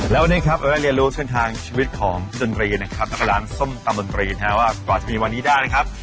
แล้ววันนี้ครับเราได้เรียนรู้เส้นทางชีวิตของดนตรีนะครับแล้วก็ร้านส้มตำดนตรีนะครับว่ากว่าจะมีวันนี้ได้นะครับ